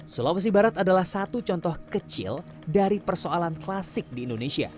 sulawesi barat adalah satu contoh kecil dari persoalan klasik di indonesia